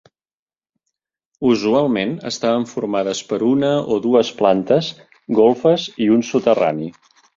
Usualment, estaven formades per una o dues plantes, golfes i un soterrani.